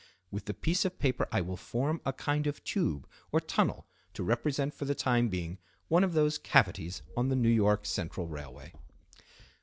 With the piece of paper I will form a kind of tube or tunnel to represent for the time being one of those cavities on the N. Y. Central railway."